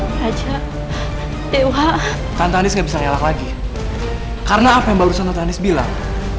raja dewa tante anies gak bisa ngelak lagi karena apa yang baru saja tante anies bilang